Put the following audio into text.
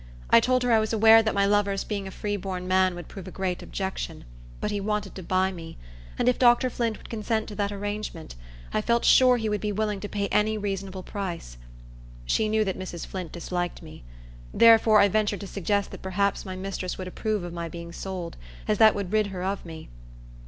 I told her I was aware that my lover's being a free born man would prove a great objection; but he wanted to buy me; and if Dr. Flint would consent to that arrangement, I felt sure he would be willing to pay any reasonable price. She knew that Mrs. Flint disliked me; therefore, I ventured to suggest that perhaps my mistress would approve of my being sold, as that would rid her of me.